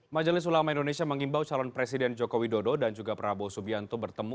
majelis ulama indonesia mengimbau calon presiden joko widodo dan juga prabowo subianto bertemu